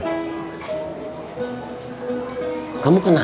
gak ada yang masak